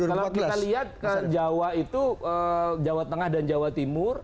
kalau kita lihat jawa itu jawa tengah dan jawa timur